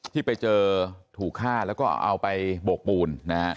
ที่ไปเจอถูกฆ่าแล้วก็เอาไปโบกปูนนะฮะ